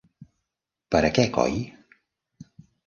Per a què coi?